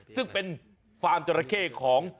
ซึ่งเป็นฟาร์มจราเข้ของ